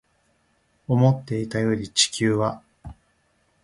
思っていたより地球は